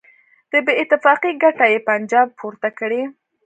د بېاتفاقۍ ګټه یې پنجاب پورته کړي.